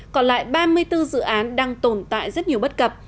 còn lại ba mươi bốn dự án đang tồn tại rất nhiều bất cập